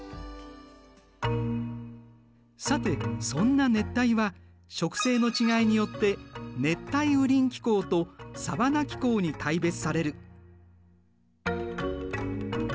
さてそんな熱帯は植生の違いによって熱帯雨林気候とサバナ気候に大別される。